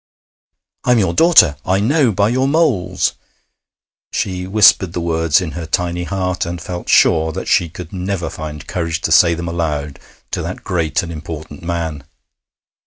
'I'm your daughter! I know by your moles!' She whispered the words in her tiny heart, and felt sure that she could never find courage to say them aloud to that great and important man.